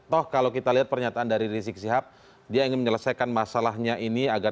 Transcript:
toh kalau kita lihat pernyataan dari rizik sihab dia ingin menyelesaikan masalahnya ini agar